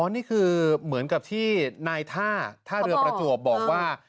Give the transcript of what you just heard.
นี่คือเหมือนกับที่นายท่าท่าเรือประจวบบอกว่า